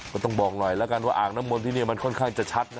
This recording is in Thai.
ก็ต้องบอกหน่อยแล้วกันว่าอ่างน้ำมนที่นี่มันค่อนข้างจะชัดนะ